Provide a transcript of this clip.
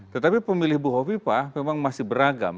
tetapi pemilih bu hovipa memang masih beragam